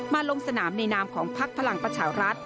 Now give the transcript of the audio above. ลงสนามในนามของพักพลังประชารัฐ